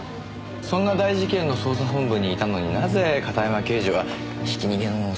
そんな大事件の捜査本部にいたのになぜ片山刑事はひき逃げの捜査を？